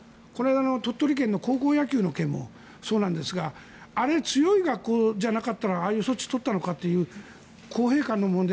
鳥取県の高校野球の件もそうですがあれ、強い学校じゃなかったらああいう措置を取ったのかという公平感の問題